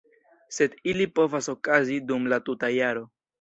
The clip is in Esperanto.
Sed ili povas okazi dum la tuta jaro.